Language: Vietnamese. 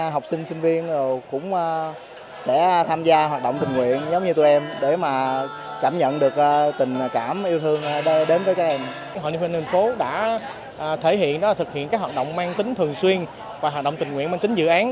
hội liên hiệp thanh niên tp hcm đã thực hiện các hoạt động mang tính thường xuyên và hoạt động tình nguyện mang tính dự án